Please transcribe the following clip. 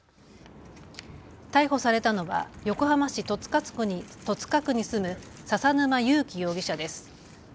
逮捕されたのは横浜市戸塚区に住む笹沼悠希容疑者です。